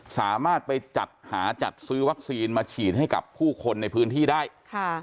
สามารถไปจัดหาจัดซื้อวัคซีนมาฉีดให้กับผู้คนในพื้นที่ได้ค่ะ